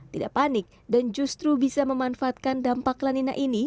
tidak panik dan justru bisa memanfaatkan dampak lanina ini